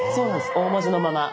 大文字のまま。